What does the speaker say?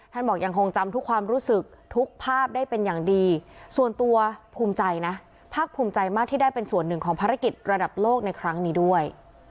บอกยังคงจำทุกความรู้สึกทุกภาพได้เป็นอย่างดีส่วนตัวภูมิใจนะภาคภูมิใจมากที่ได้เป็นส่วนหนึ่งของภารกิจระดับโลกในครั้งนี้ด้วย